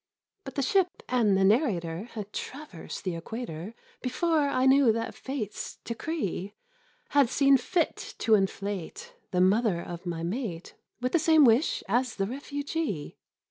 But the ship and the narrator Had traversed the equator Before I knew that Fate's decree Had seen fit to inflate The mother of my mate With the same wish as the refugee!